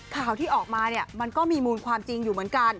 ข่าวที่ออกมาเนี่ยมันก็มีมูลความจริงอยู่เหมือนกัน